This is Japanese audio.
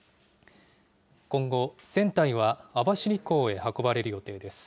今後、船体は網走港へ運ばれる予定です。